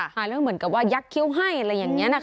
เหมือนกับว่ายักษ์คิ้วให้อะไรอย่างนี้นะ